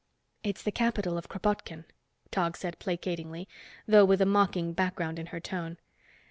"It's the capital of Kropotkin," Tog said placatingly, though with a mocking background in her tone.